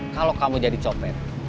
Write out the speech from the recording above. kalau kamu jadi nyopet